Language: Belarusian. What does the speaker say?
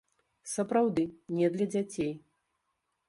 Сапраўды, не для дзяцей!